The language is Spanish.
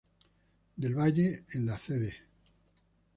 Del Valle en la Cd.